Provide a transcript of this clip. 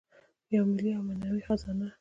یوه ملي او معنوي خزانه.